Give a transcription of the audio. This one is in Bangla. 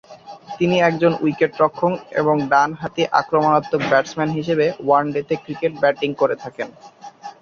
তিনি একজন উইকেট-রক্ষক এবং একজন ডান-হাতি আক্রমণাত্মক ব্যাটসম্যান হিসেবে ওয়ানডেতে ক্রিকেটে ব্যাটিংয়ে করে থাকেন।